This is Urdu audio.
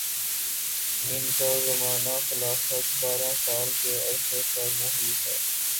ان کا زمانہ خلافت بارہ سال کے عرصہ پر محیط ہے